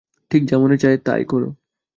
ঠিক যা মনে চায়, তাই করো।